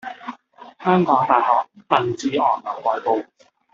香港大學鄧志昂樓外部